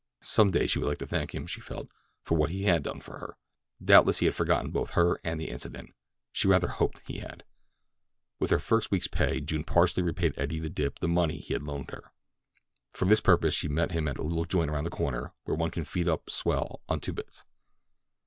Some day she would like to thank him, she felt, for what he had done for her. Doubtless he had forgotten both her and the incident—she rather hoped that he had. With her first week's pay, June partially repaid Eddie the Dip the money he had loaned her. For this purpose she met him at the little joint around the corner where one can feed up swell on two bits.